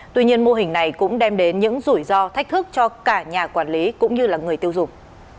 tuy nhiên mô hình này cũng đem đến những rủi ro thách thức cho cả nhà quản lý cũng như là người tiêu dùng